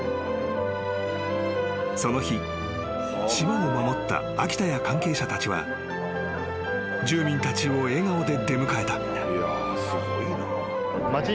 ［その日島を守った秋田や関係者たちは住民たちを笑顔で出迎えた］